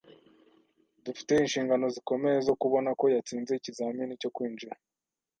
Dufite inshingano zikomeye zo kubona ko yatsinze ikizamini cyo kwinjira.